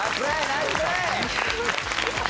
ナイスプレー！